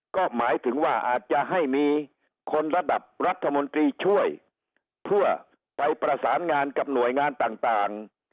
ก็หมายถึงว่าอาจจะให้มีคนระดับรัฐมนตรีช่วยเพื่อไปประสานงานกับหน่วยงานต่าง